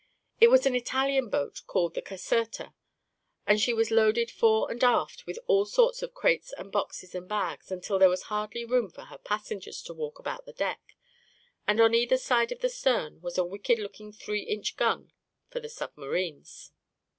It was an Italian boat called the Caserta, and she was loaded fore and aft with all sorts of crates and boxes and bags, until there was hardly room for her passengers to walk about the deck; and on either side of the stern was a wicked looking three inch gun for the submarines.